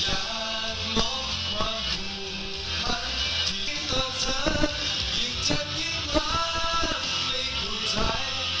อยากมองความภูมิให้ต่อเธอยิ่งเจ็บยิ่งรักไม่กลัวใจ